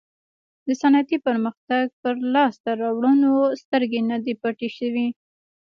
د صنعتي پرمختګ پر لاسته راوړنو سترګې نه دي پټې شوې.